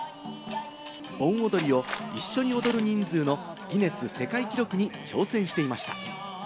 盆踊りを一緒に踊る人数のギネス世界記録に挑戦していました。